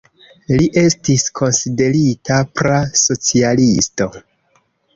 Li estis konsiderita pra-socialisto.